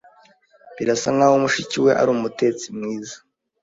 Birasa nkaho mushiki we ari umutetsi mwiza.